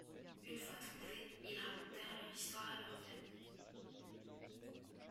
Une fois trouvés, ils racontèrent leur histoire a leur famille.